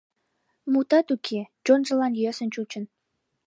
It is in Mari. Мутат уке, чонжылан йӧсын чучын...